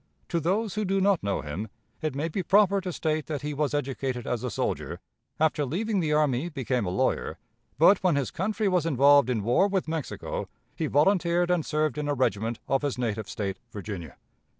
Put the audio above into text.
To those who do not know him, it may be proper to state that he was educated as a soldier; after leaving the army became a lawyer, but, when his country was involved in war with Mexico, he volunteered and served in a regiment of his native State, Virginia.